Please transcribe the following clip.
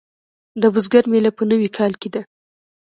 د بزګر میله په نوي کال کې ده.